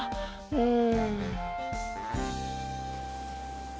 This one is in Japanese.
うん。